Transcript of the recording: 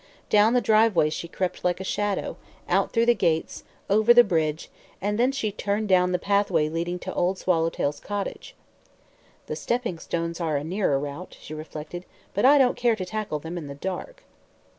Down the driveway she crept like a shadow, out through the gates, over the bridge, and then she turned down the pathway leading to Old Swallowtail's cottage. "The stepping stones are a nearer route," she reflected, "but I don't care to tackle them in the dark."